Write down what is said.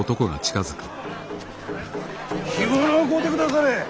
干物を買うてくだされ！